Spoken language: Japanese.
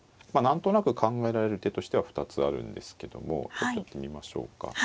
まあ何となく考えられる手としては２つあるんですけどもちょっとやってみましょうか。